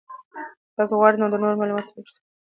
که تاسو غواړئ نو د نورو معلوماتو پوښتنه وکړئ.